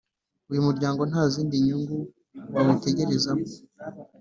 Uyu muryango nta zindi nyungu bawutegerejemo